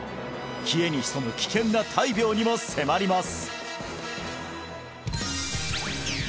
冷えに潜む危険な大病にも迫ります